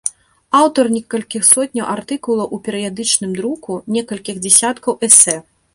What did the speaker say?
Аўтар некалькіх сотняў артыкулаў у перыядычным друку, некалькіх дзесяткаў эсэ.